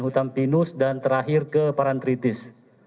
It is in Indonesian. hutampinus dan terakhir ke parantritis